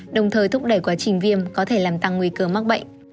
đồng thời thúc đẩy quá trình viêm có thể làm tăng nguy cơ mắc bệnh